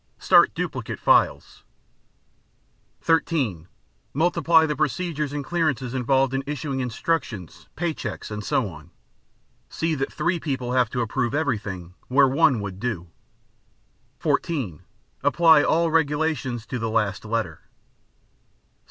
Start duplicate files. (13) Multiply the procedures and clearances involved in issuing instructions, pay checks, and so on. See that three people have to approve everything where one would do. (14) Apply all regulations to the last letter.